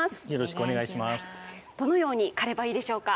どのように狩ればいいでしょうか？